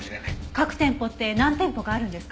各店舗って何店舗かあるんですか？